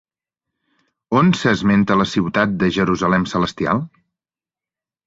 On s'esmenta la ciutat de Jerusalem Celestial?